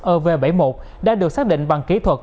ov bảy mươi một đã được xác định bằng kỹ thuật